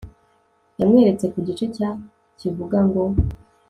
yamweretse ku gice cya kivuga ngo